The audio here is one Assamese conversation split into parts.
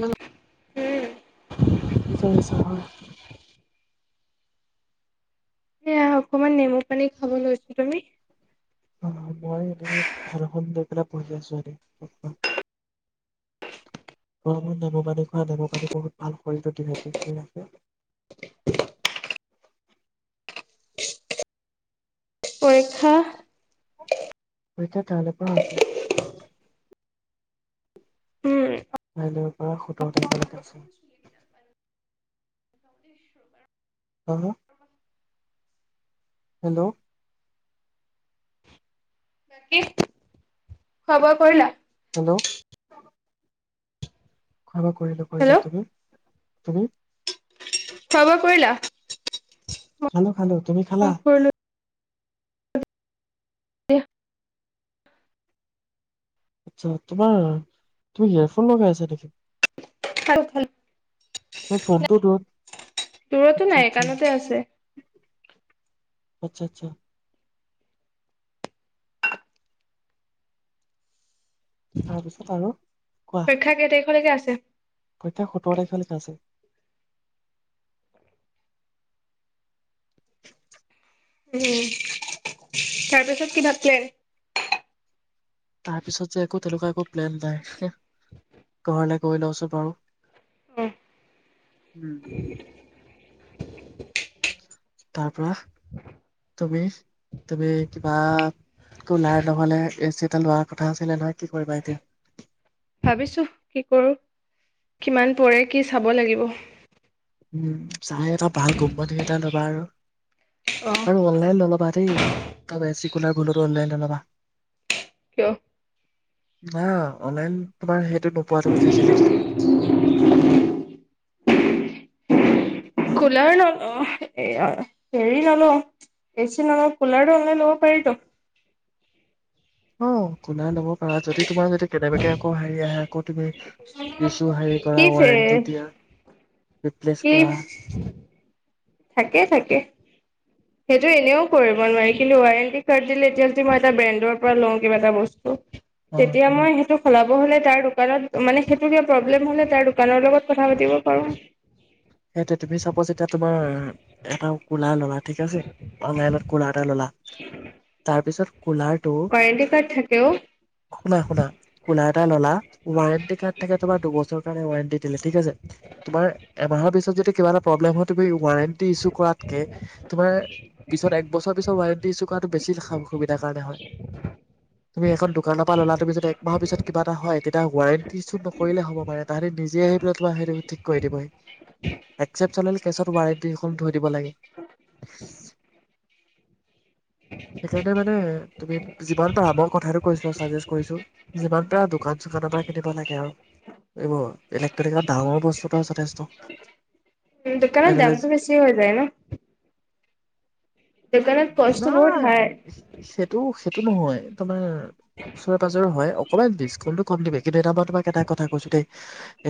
মানে উম [unintelligible] চা‌ হয়। এয়া অকমান নেমু পানী খাব লৈছোঁ, তুমি? অঁ মই এনেই ফেনখন লৈ পেলাই পঢ়ি আছো এনেই। গৰমত নেমু পানী খোৱা নেমু পানী বহুত ভাল শৰিৰটো ঠিক কৰি ৰাখে। পৰীক্ষা? পৰীক্ষা কাইলৈৰ পৰা আছে। উম। ৰাইলৰ পৰা সোতৰ থাকিব লাগা আছিল। [unintelligible] [unintelligible] হেল্লৌ' কি? খোৱা-বোৱা কৰিলা? হেল্লৌ' খোৱা - বোৱা কৰিলো কৰিলো, হেল্ল' তুমি তুমি? খোৱা বোৱা কৰিলা? খালো খালো, তুমি অ খালা? কৰিলো। [unintelligible] আচ্ছা তোমাৰ, তুমি হেয়াৰফোন লগাই আছা নেকি? খালো খালো মোৰ ফোনটো দু আটচ্ছা দূৰতো আটচ্ছা নাই আত্ছা কাণতে আছে আত্চ্ছা। তাৰপিছত আৰু কোৱা? পৰিক্ষা কেই তাৰিখলৈকে আছে? পৰীক্ষা সোতৰ তাৰিখলৈকে আছে। [inaudible] উম তাৰপিছত কি থাকলেন তাৰ পিছত যে একো তেনেকুৱা একো প্লেন নাই হেঁহ ঘৰলে গৈ লওঁছোন বাৰু। অ উম। তাপা [inaudible] তুমি, তুমি কিবা- কোলাৰ নহলে এ চি এটা লোৱাৰ কথা আছিলে নহয় কি কৰিবা এতিয়া? ভাবিছোহ কি কৰো কিমান পৰে কি চাব লাগিব? উম চাই এটা ভাল কোম্পানী এটা ল'বা আৰু। অ'। আৰু অনলাইন নলবা দেই, তাৰ চিকুলাৰ ভুলতো অনলাইন নলবা। কিয়? অ, অনলাইন তোমাৰ সেইটো নোপোৱা তুমি ফেচিলিটিটো। কুলাৰ নল অঁহ এ হেৰি অঁ হেৰি ললো। বেচি নলয় কোলাৰ টো অনলাইন ল'ব পাৰিতো। অ কুনাই ল'ব পাৰা যদি তোমাৰ যদি কেনেবাকে আকৌ হেৰি আহে আকৌ তুমি ইছু হেৰি কি কৰা ফে ৱাৰেণ্টি দিয়া। ৰিপ্লেচ কি? কৰা থাকে থাকে। সেইটো এনেও কৰিব নোৱাৰি কিন্তু ৱাৰেণ্টি কাৰ্ড দিলে এতিয়া মই এটা ব্ৰেণ্ডৰ পৰা লওঁ কিবা এটা বস্তু অ', তেতিয়া মই সেইটোক সলাব হ'লে তাৰ দোকানত মানে সেইটো কিবা প্ৰব্লেম হ'লে তাৰ দোকানৰ লগত কথা পাতিব পাৰো। সেই তুমি চাপজ এতিয়া তুমাৰ, এটা কুলাৰ ললা। ঠিক আছে, অনলাইনত কুলাৰ এটা ললা তাৰ পিছত কুলাৰ কোৱাৰেণ্টি কাৰ্ড থাকে অ',। শুনা শুনা কোলা এটা ললা, ৱাৰেণ্টি কাৰ্ড থাকে তোমাৰ দুবছৰৰ কাৰণে ৱাৰেণ্টি দিলে ঠিক আছে। তুমাৰ এমাহৰ পিছত যদি কিবা এটা প্ৰব্লেম হয় তুমি ৱাৰেন্টি ইছোঁ কৰাতকে, তোমাৰ পিছত এক বছৰ পাছত ৱাৰেণ্টি ইছোঁ কোৱাতটো বেছি খা- অসুবিধাৰ কাৰণে হয়। তুমি এখন দোকানৰ পৰা ল'লা, তুমিদি এক মাহৰ পিছ কিবা এটা হয় এতিয়া ৱাৰেণ্টি ইছো নকৰিলে হ'ব পাৰে তাহাঁতে নিজে আহি পাই তোম সেইটো ঠিক কৰি দিবহি। একচেপচন কেছত ৱাৰেণ্টি এখন থৈ দিব লাগে। [unintelligible] সেইকাৰণে মানে, তুমি যিমান পাৰ আমৰ কথাটো কছাজ কৰিছো। যিমান পাৰে দোকান-চোকানৰ পৰা কিনিব লাগে আৰু। এইবোৰ ইলেক্ট্ৰনিকৰ ডাঙৰ বস্তুটো যথেষ্ট। উম', দোকানৰ দামটো বেছি হৈ যায় ন'। দোকানত কষ্ট বহুত হাই নাই সেইটো- সেইটো নহয় তোমাৰ ওচৰে পাজৰে হয়। অকণমান ডিকাউণ্টো কম কিন্তু এটা মই এটা কথা কৈছো দে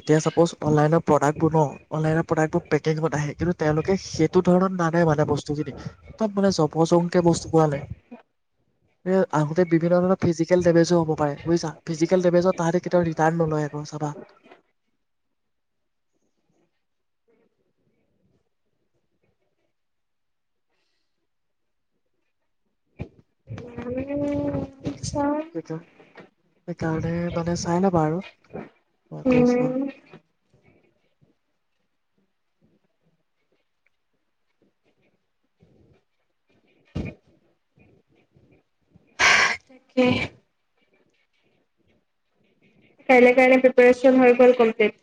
এতিয়া চাপ'জ অনলাইনৰ প্ৰডাক্ট বোৰ ন' অনলাইনৰ প্ৰডাক্টোৰ পেকেট আহে, তেওঁলোকে সেইটো ধৰণত নানে বস্তু খিনি একদম যম উপচংকে বস্তু ভৰালে আহোঁতে বিভিন্ন ধৰণৰ ফিজিকেল ডেমেজো হ'ব পাৰে বুজছা, ফিজিকেল ডেমেজ তাহঁ কেতিয়াও ৰিত্ৰান নলয় গ চাবা আমি। সেইকাৰণে মানে চাই লবা আৰু। [unintelligible] উম তাকে। কাইলে কাৰণে প্ৰিপাৰেচন হয় গ'ল কম্প্লিট।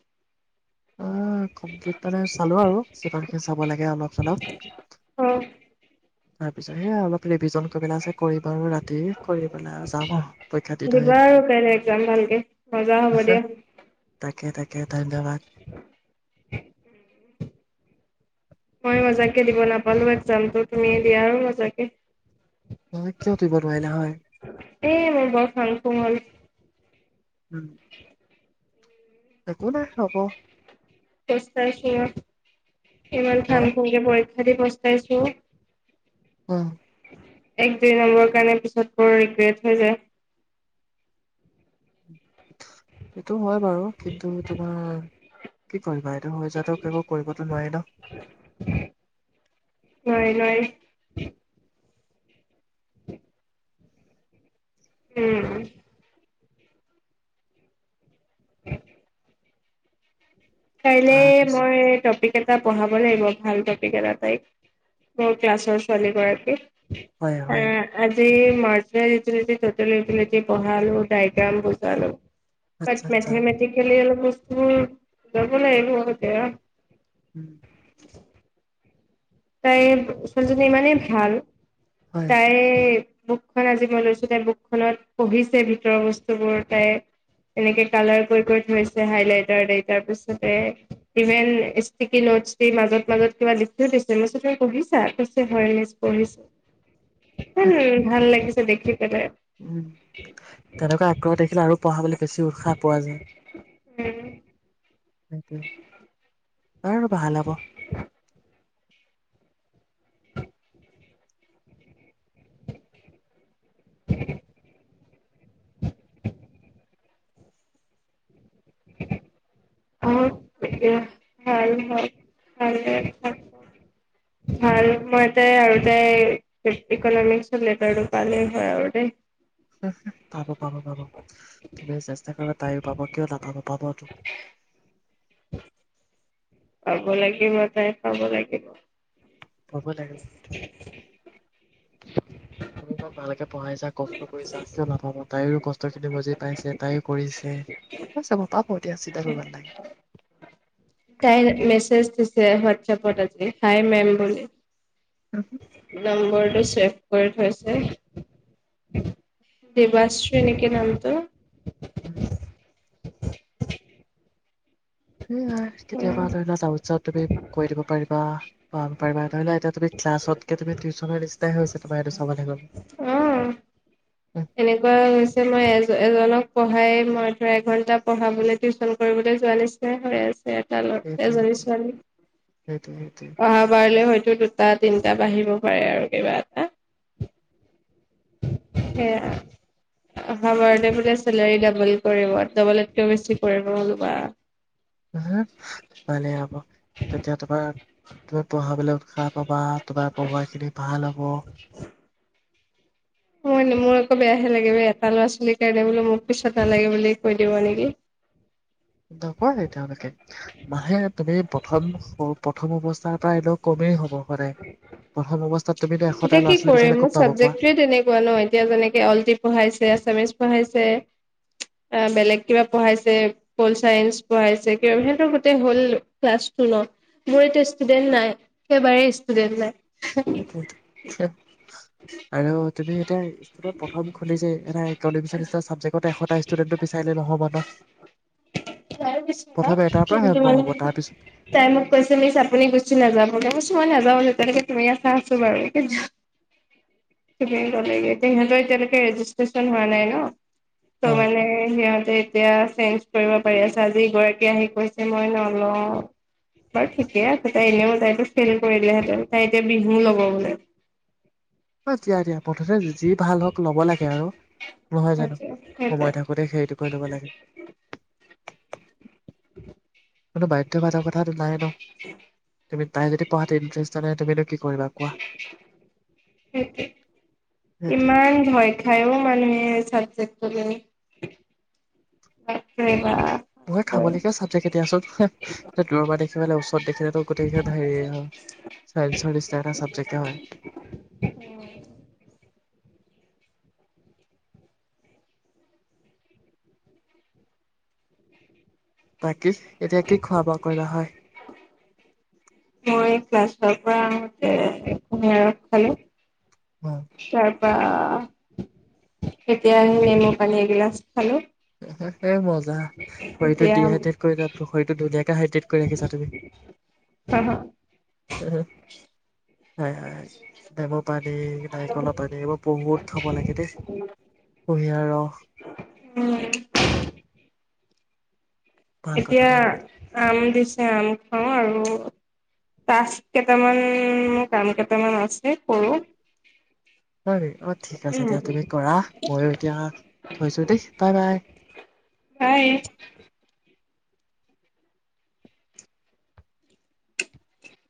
অ', কমপ্লিট মালে চালো আৰু, যিপাখি চাব লাগে অলপ-চলপ। অ',। তাৰ পিছত সেয়া অলপ ৰিভিজন কৰিবেলাই আছে, কৰিবাৰ ৰাতি কৰি পেলাই যাম আৰু পৰীক্ষা দি থৈ আহি বাৰু কালিলৈ এক্সজাম দিওঁ। ভালকে, মাজা দিয়া। তাকে- তাকে ধন্যবাদ। মই মজাকে দিব নাপালোঁ এক্সজামটো, তুমিয়ে দিয়া আৰু মজাকে। কিয় দিব নোৱাৰিলা হয় এ মই [unintelligible] উম। উম। একো নাই হব। তেইছ তাৰিখে, এইবাৰ হা ভাল কৰিলে কৰিম। তাকেই পষ্টাইছো। উম। এক দুই নম্বৰৰ কাৰণে পিছত বৰ ৰিগ্ৰেট হৈ যায়। এইটো হয় বাৰু, কিন্তু তোমাৰ কি কৰিবা। এইটো হৈ যোৱাত এক কৰিবটো নোৱাৰি ন। নহয়- নহয়। [inaudible] উম। [inaudible] কালিলৈ তাৰপিছত মই টপিক এটা পঢ়াব লাগিব, ভাল টপিক এটা তাইক। মোৰ ক্লাছৰ ছোৱালী গৰাকীক। হয় হয় উম। আজি মাচেন্ত ইউতিলিটি টোটেল ইউটিলিতী ডাইগ্ৰাম বুজালোঁ। আচ্ছা আচ্ছা মেথামেথিকেলি অলপ বস্তু ল'ব লাগিব এইকেইটা। উম। তাই ছোৱালীজনী ইমানেই ভাল। হয় তাই বুকখনত আজি মই লৈছো। তাইৰ বুকখনত পঢ়িছে ভিতৰৰ বস্তুবোৰ তাই এনেকে কালাৰ কৰি- কৰি থৈছে। হাইলাইটাৰ দিয়ে। তাৰ পিছতে ইভেন ষ্টিকি নোট মাজত- মাজত কিবা লিখিও লৈছে। কেমেছট্ৰি তই পঢ়িছা? [inaudible] হম, ভাল লাগিছে দেখি পেলাই। উম, তেনেকুৱা আগ্ৰহত দেখিলে আৰু পঢ়াবলৈ বেছি উৎসাহ পোৱা যায়। উম। তাকে, আৰু ভাল হ'ব। [inaudible] [unintelligible] ভাল মই তাই আৰু তাই ইকনমিক্স লেটাৰটো পালে হয় আৰু দেই। পাব- পাব- পাব তুমি চেষ্টা কৰিবা। তাইও পাব কিয় নাপাব পাবতো। [inaudible] পাব লাগিব তাই পাব লাগে। পাব দে, লাগ তুমি ক'ত ভালকে পঢ়াইছা কওক। কষ্ট কৰিছা। কিয় নাাপাব তাইও কষ্ট খিনি বুজি পাইছে তাইও কৰিছে। ঠিক আছে, মই পাব এতিয়া চিন্তা কৰিব নালাগে। তাই মেছেজ দিছে, হটছএপ হাই মেম বুলিলে। অ। নম্বৰটো চছেভ কৰি থৈছে। দেৱাশ্ৰী নেকি নামটো। উম। এ কেতিয়াবা ধৰি লোৱা [unintelligible] তুমি কৈ দিব পাৰিবা। পাৰিবা, ধৰি লোৱা এতিয়া তুমি ক্লাছতকে তুমি টিউশ্যনৰ নিচিনাই হৈছে তোমাক এইটো চাবলে গ'লে। অ'। উম, এনেকুৱা হৈছে মই এ এজনক পঢ়াই মই ধৰ এঘন্টা পঢ়াবলৈ টিউচন কৰিবলৈ যোৱা নিছি নাই হৈ আছে। [unintelligible] সেইটোৱে সেইটোৱে, সেইটোৱেই সেইটোৱেই। অহা বাৰলে হয়তো দুটা তিনিটা বাঢ়িব পাৰে আৰু কিবা। সেয়াই। অহা বাৰলে বোলে চেলাৰী ডাবল কৰিব, ডাবলতকেও বেছি কৰিব [unintelligible] ভালেই হ'ব, তেতিয়া তোমাৰ তুমি পঢ়াবলৈ উৎসাহ পাবা, তোমাৰ পঢ়োৱাখিনি ভাল হ'ব। [inaudible] মোৰ আকৌ বেয়াহে লাগে এটা ল'ৰা ছোৱালীৰ কাৰণে বোলো মোক পিছত নালাগে বুলি কৈ দিব নেকি। নকয় তেওঁলোকে, মাহে তুমি প্ৰথম প্ৰথম অৱস্থা পৰা এনেও কমেই হ'ব সদায় প্ৰথম অৱস্থাত তুমিতো এশটা এতিয়া ল'ৰা কি ছোৱালী কৰিম বিচাৰিলে ক'ত মোৰ পাব কোৱা চাবজেক্টয়ে তেনেকুৱা ন' এ এতিয়া যেনেকে অলটি পঢ়াইছে, আছামিজ পঢ়াইছে, বেলেগ কিবা পঢ়াইছে- হৈল চাইন্স পঢ়াইছে, সিহঁতৰো গোটেই হৈল ক্লাছটো ন'। মোৰ এতিয়া ষ্টুডেন্ট না, ই একেবাৰে ষ্টুডেন্ট নাই। সেইটোৱেইটো আৰু তুমি এতিয়া- প্ৰথম খুলিছে, এটা [unintelligible] চাবজেক্ট এশটা ষ্টুডেণ্টটো বিচাৰিলে নহ'ব ন। প্ৰথমে এটাৰ পৰা হে কিন্তু আৰম্ভ মানে হ'ব তাৰপিছত- তাই মোক কৈছে মিছ আপুনি গুচি নাযাবগে, মই কৈছোঁ মই নাযাওঁ যেতিয়ালৈকে তুমি আছা। আছোঁ বাৰু। [unintelligible] তাহাঁতৰ এতিয়ালৈকে ৰেজিষ্ট্ৰেচন হোৱা নাই ন' ত' অ মানে- সিহঁতে এতিয়া চেঞ্জ কৰিব পাৰি আছে, আজি এগৰাকী আহি কৈছে মই নলওঁ। বাৰু ঠিকেই আছে, তাই এনেইও তাইতো ফেইল কৰিলে হেঁতেন, তাই এতিয়া বিহু ল'ব বোলে। অঁ' দিয়া দিয়া প্ৰথতে যি ভাল হওঁক ল'ব লাগে আৰু। নহয় জানোঁ, সেইটোৱে সময় থাকোতে খেৰিটো কৰি ল'ব লাগে। [unintelligible] কোনো বাধ্য বাধা কথাটো নাই ন'। তুমি, তাই যদি পঢ়াতে ইণ্টাৰেষ্ট নাথাকে তুমিনো কি কৰিবা কোৱা। সেইটোৱে, সেইটোৱে ইমান- [unintelligible] [unintelligible] বাবৰে বা। ভয় খাবলগীয়া চাবজেক্টে দিয়াছোন। দূৰ পৰা দেখি পেলে ওচৰত দেখিলেতো গোটেইখিনি হেৰি চাইন্সৰ নিচনা এটা চাবজেক্টে হয়। বাকি এতিয়া কি খোৱা বোৱা কৰিবা হয়। মই ক্লাছৰ পৰা আহোঁ [unintelligible] উম। তাৰ পৰা এতিয়া সেই নেমু পানী এগিলাচ খালোঁ। এই মজা। শৰীৰটো এতিয়া ডিহাইড্ৰেট কৰি [unintelligible] শৰীৰটো ধুনীয়াকে হাইড্ৰেট কৰি ৰাখিছা তুমি। [inaudible] [inaudible] হয়, হয়, ডেমৰ পানী নাৰিকলৰ পানী এইবোৰ বহুত থ'ব লাগে দেই। কুঁহিয়াৰ ৰস। উম। ভাল কথা এতিয়া ভাল কথা। আম দিছে আম খাওঁ আৰু। টাস্ক কেইটামান মোৰ কাম কেইটামান আছে কৰো। হয়, অ' আছে উম, দিয়া তুমি কৰা ময়ো এতিয়া থৈছো দেই বাই বাই। বাই।